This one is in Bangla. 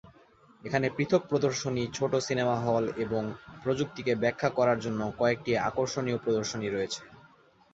এখানে পৃথক প্রদর্শনী, ছোট সিনেমা হল এবং প্রযুক্তিকে ব্যাখ্যা করার জন্য কয়েকটি আকর্ষণীয় প্রদর্শনী রয়েছে।